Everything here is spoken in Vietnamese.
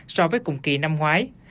so với cùng kỳ năm ngoái